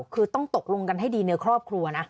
คือต้องตกลงกันให้ดีในครอบครัวนะ